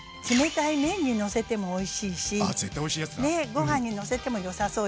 ご飯にのせてもよさそうよね。